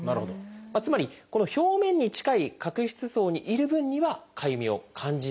つまりこの表面に近い角質層にいる分にはかゆみを感じないというわけなんです。